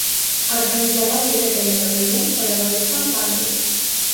Арганізавалі гэтае мерапрыемства даволі спантанна.